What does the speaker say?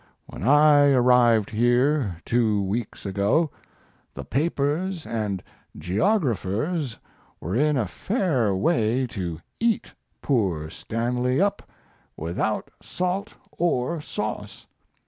When I arrived here, two weeks ago, the papers and geographers were in a fair way to eat poor Stanley up without salt or sauce.